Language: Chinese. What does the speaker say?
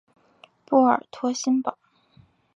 波尔托新堡。